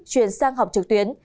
chuyển sang học trực tuyến